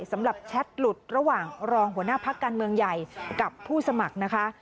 แชทหลุดระหว่างรองหัวหน้าพักการเมืองใหญ่กับผู้สมัครนะคะ